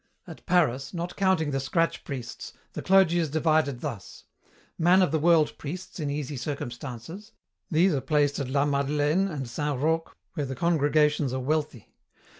At Paris, not counting the scratch priests, the clergy is divided thus: Man of the world priests in easy circumstances: these are placed at la Madeleine and Saint Roch where the congregations are wealthy.